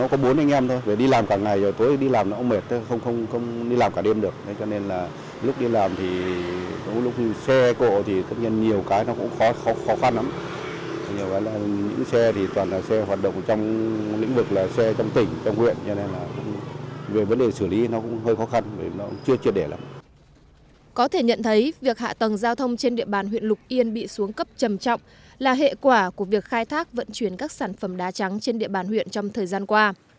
có thể nhận thấy việc hạ tầng giao thông trên địa bàn huyện lục yên bị xuống cấp trầm trọng là hệ quả của việc khai thác vận chuyển các sản phẩm đá trắng trên địa bàn huyện trong thời gian qua